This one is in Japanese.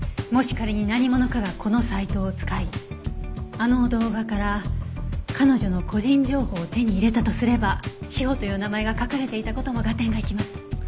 もし仮に何者かがこのサイトを使いあの動画から彼女の個人情報を手に入れたとすれば詩帆という名前が書かれていた事も合点がいきます。